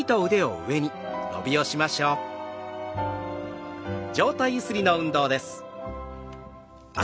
上体ゆすりの運動です。